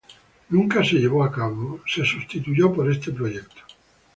Nunca llevado a cabo, fue sustituido por este proyecto.